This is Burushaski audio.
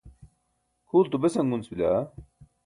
kʰuulto besan gunc bila